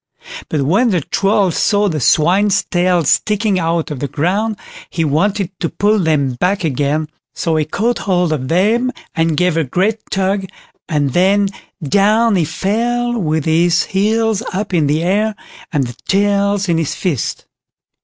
But when the Troll saw the swine's tails sticking out of the ground he wanted to pull them back again, so he caught hold of them and gave a great tug, and then down he fell with his heels up in the air, and the tails in his fist."